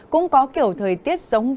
cũng có kiểu thời tiết giống như thế này